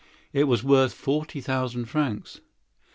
It was worth forty thousand francs.